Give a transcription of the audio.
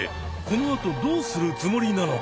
このあとどうするつもりなのか。